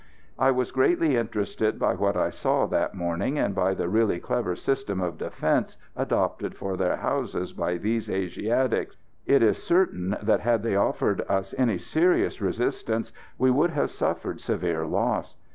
I was greatly interested by what I saw that morning, and by the really clever system of defence adopted for their houses by these Asiatics. It is certain that had they offered us any serious resistance we would have suffered severe loss.